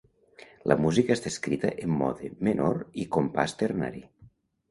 La música està escrita en mode menor i compàs ternari.